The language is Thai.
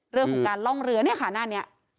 เรื่องของการล่องเรือเนี่ยค่ะหน้านี้